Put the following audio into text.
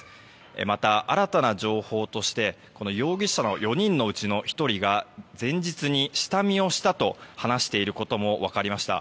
また、新たな情報として容疑者の４人のうちの１人が前日に下見をしたと話していることも分かりました。